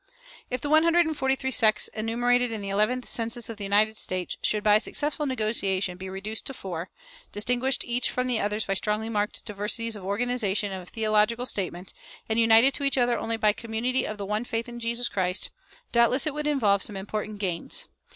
If the one hundred and forty three sects enumerated in the eleventh census of the United States[415:2] should by successful negotiation be reduced to four, distinguished each from the others by strongly marked diversities of organization and of theological statement, and united to each other only by community of the one faith in Jesus Christ, doubtless it would involve some important gains.